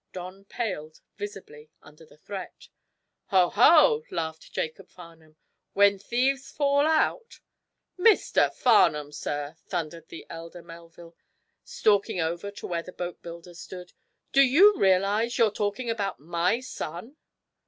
Don paled, visibly, under that threat. "Ho, ho!" laughed Jacob Farnum. "When thieves fall out " "Mr. Farnum, sir," thundered the elder Melville, stalking over to where the boatbuilder stood, "do you realize you're talking about my son?"